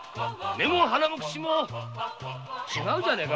目も鼻も口も違うじゃねぇか。